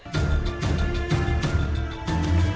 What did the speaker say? bahkan sie conditions jadi sepertinya